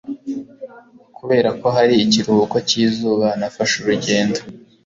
Kubera ko hari ikiruhuko cyizuba, nafashe urugendo.